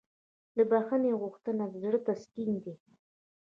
د بښنې غوښتنه د زړه تسکین دی.